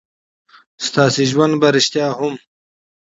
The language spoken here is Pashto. ستاسې ژوند په رښتيا هم